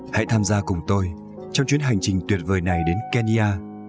hãy tham gia cùng tôi trong chuyến hành trình tuyệt vời này đến kenya